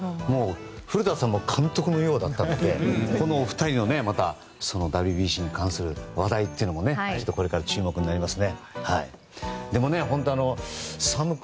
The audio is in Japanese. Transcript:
古田さんも監督のようだったのでこのお二人のＷＢＣに関する話題というのもきっとこれから注目になりますね。